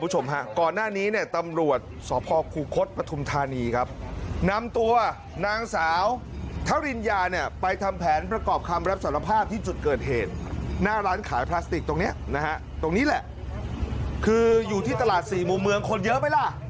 เหตุหน้าร้านขายพลาสติกตรงเนี้ยนะฮะตรงนี้แหละคืออยู่ที่ตลาดสี่มุมเมืองคนเยอะไหมล่ะ